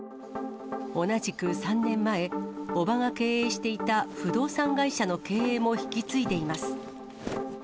同じく３年前、叔母が経営していた不動産会社の経営も引き継いでいます。